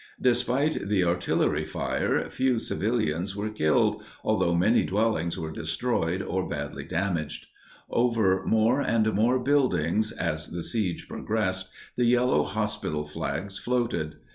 Despite the artillery fire, few civilians were killed, although many dwellings were destroyed or badly damaged. Over more and more buildings, as the siege progressed, the yellow hospital flags floated.